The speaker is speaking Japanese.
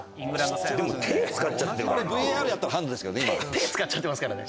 手使っちゃってますからね。